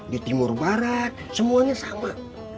di timur barat semuanya sama